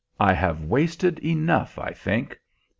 "I have wasted enough, I think.